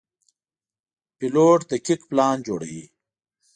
پیلوټ دقیق پلان جوړوي.